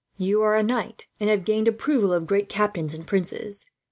You are a knight, and have gained the approval of great captains and princes.